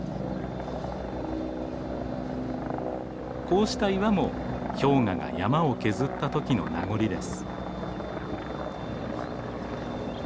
こうした岩も氷河が山を削ったときの名残です。